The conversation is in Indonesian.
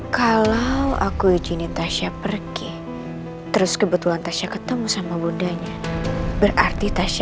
kalau aku izinin tasya pergi terus kebetulan tasya ketemu sama bundanya berarti tasya